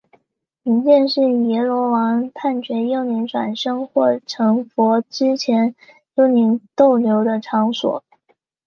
冥界是阎罗王判决幽灵转生或成佛之前幽灵逗留的场所。